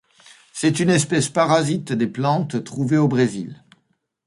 C'est une espèce parasite des plantes trouvée au Brésil.